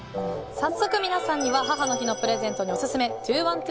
早速、皆さんには母の日のプレゼントにオススメ２１２